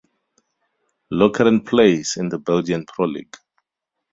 Lokeren plays in the Belgian Pro League.